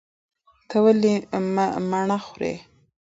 ته ولې مڼه خورې؟